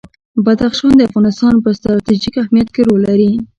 بدخشان د افغانستان په ستراتیژیک اهمیت کې رول لري.